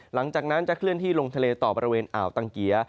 หลังจากนั้นจะเคลื่อนที่ลงทะเลต่อบริเวณอ่าวตังเกีย